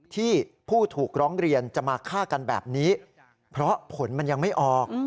ที่ผู้ถูกร้องเรียนจะมาฆ่ากันแบบนี้เพราะผลมันยังไม่ออก